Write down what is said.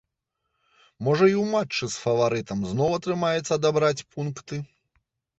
Можа, і ў матчы з фаварытам зноў атрымаецца адабраць пункты.